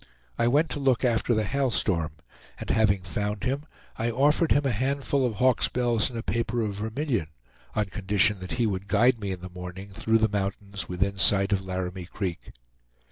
I went to look after the Hail Storm, and having found him, I offered him a handful of hawks' bells and a paper of vermilion, on condition that he would guide me in the morning through the mountains within sight of Laramie Creek.